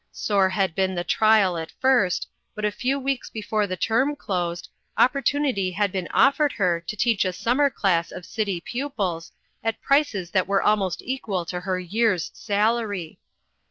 Sore had been the trial at first; but a few weeks before the term closed, opportunity had been offered her to teach a summer class of city pupils, at prices that were almost equal to her year's salary.